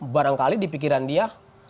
barangkali di pikiran dia